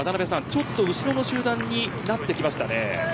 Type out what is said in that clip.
ちょっと後ろの集団になってきましたね。